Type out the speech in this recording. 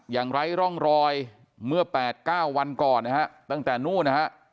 อย่างไร้ร่องรอยเมื่อ๘๙วันก่อนนะฮะตั้งแต่นู่นนะฮะ